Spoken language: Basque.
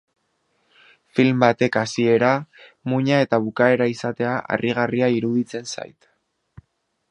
Film batek hasiera, muina eta bukaera izatea harrigarria iruditzen zait.